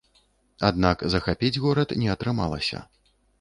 Аднак захапіць горад не атрымалася.